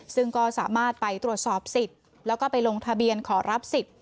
ซึ่งก็สามารถไปตรวจสอบสิทธิ์แล้วก็ไปลงทะเบียนขอรับสิทธิ์